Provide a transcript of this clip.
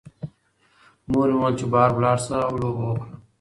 مور مې وویل چې بهر لاړ شه او لوبه وکړه.